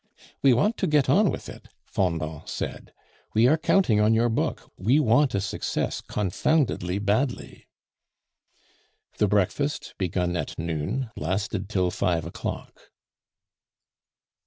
"We want to get on with it," Fendant said; "we are counting on your book; we want a success confoundedly badly." The breakfast, begun at noon, lasted till five o'clock.